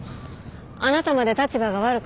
あなたまで立場が悪くなる。